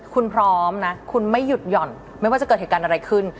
คุณพร้อมนะคุณไม่หยุดหย่อนไม่ว่าจะเกิดเหตุการณ์อะไรขึ้น